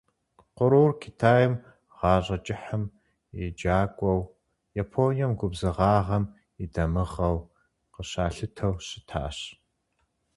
Кърур Китайм гъащӀэ кӀыхьым и «джакӀуэу», Японием губзыгъагъэм и дамыгъэу къыщалъытэу щытащ.